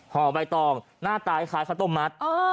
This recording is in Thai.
ห่อใบตองหน้าตาคล้ายข้าวต้มมัด